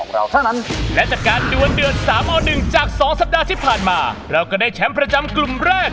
เราก็ได้แชมป์ประจำกลุ่มแรก